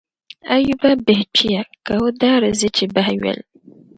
Ayuba bihi kpiya, ka o daarzichi bahi yoli.